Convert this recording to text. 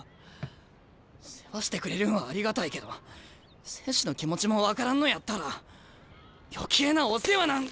世話してくれるんはありがたいけど選手の気持ちも分からんのやったら余計なお世話なん。